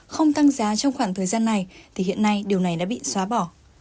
không tăng giá trong khoảng thời gian này thì hiện nay điều này đã bị xóa bỏ